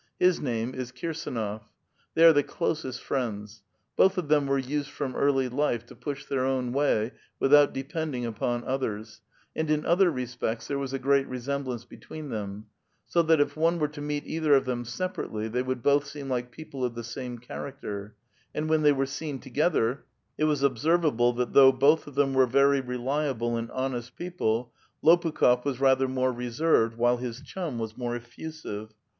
His name is Kirsdnof. They are the closest friends. Both of them were used from early life to push their own way, without depending ui>on others, and in other respects there was a great resemblance between them ; so that if one were to meet either of them separately, they would both seem like people of the same character ; and when they were seen together, it was observable that though both of them were very reliable and honest people, Lopukh6f was rather more reserved, while his chum was more effusive.